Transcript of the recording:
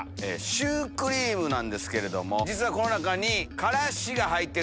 シュークリームなんですけども実はこの中に。